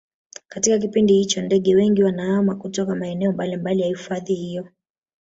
katika kipindi hicho ndege wengi wanahama kutoka maeneo mbalimbali ya hifadhi hiyo